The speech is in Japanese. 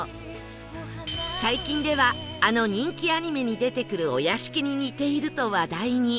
最近ではあの人気アニメに出てくるお屋敷に似ていると話題に